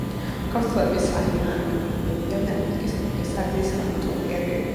გავრცელების არეალებია ამერიკის, აფრიკის და აზიის ტროპიკები.